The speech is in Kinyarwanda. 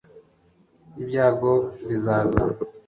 ibyago bizaza